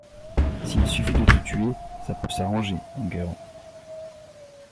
S’il suffit de te tuer, ça peut s’arranger, Enguerrand…